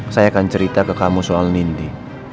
saya akan cerita ke kamu soal nindi